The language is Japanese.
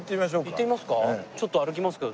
行ってみますか？